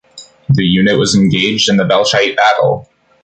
The unit was engaged in the Belchite battle.